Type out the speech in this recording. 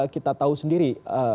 kita tahu sendiri